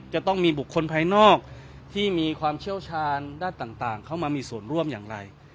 จะต้องมีบุคคลภายนอกที่มีความเชี่ยวชาญด้านต่างเข้ามามีส่วนร่วมอย่างไร